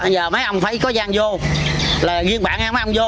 giờ mấy ông phải có gian vô là ghiên bạn nghe mấy ông vô